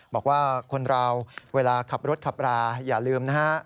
บอกว่าคนเราเวลาขับรถขับราอย่าลืมนะฮะ